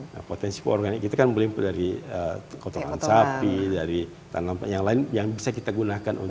nah potensi pengorganik kita kan beli dari kotoran sapi dari tanaman yang lain yang bisa kita gunakan